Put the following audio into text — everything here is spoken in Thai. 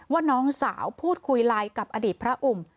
ว่าน้องสาวพูดคุยไลน์กับอดีตพระอุ่ม